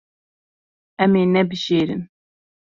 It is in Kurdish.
Em ê nebijêrin.